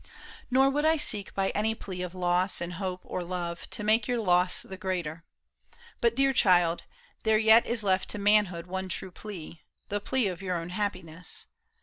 Nor would I seek By any plea of loss in hope or love To make your loss the greater. But, dear child. There yet is left to manhood one true plea. The plea of your own happiness.